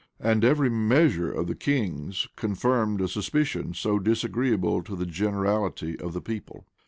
[*] And every measure of the king's confirmed a suspicion so disagreeable to the generality of the people.